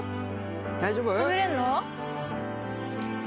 大丈夫？